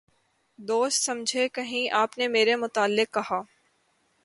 دوست سمجھے کہیں آپ نے میرے متعلق کہا